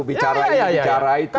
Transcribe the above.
bicara itu bicara itu